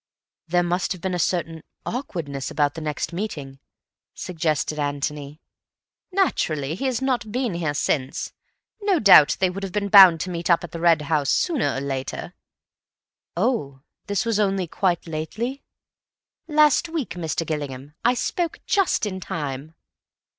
"There must have been a certain awkwardness about the next meeting," suggested Antony. "Naturally, he has not been here since. No doubt they would have been bound to meet up at the Red House sooner or later." "Oh,—this was only quite lately?" "Last week, Mr. Gillingham. I spoke just in time."